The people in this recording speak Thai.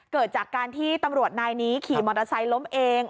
เกิดจากการที่ตำรวจนายนี้ขี่มอเตอร์ไซค์ล้มเอง